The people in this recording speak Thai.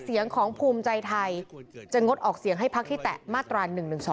เสียงของภูมิใจไทยจะงดออกเสียงให้พักที่แตะมาตรา๑๑๒